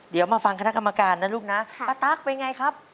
เดี๋ยวมาฟังคณะกรรมการนะลูกนะป้าตั๊กเป็นไงครับ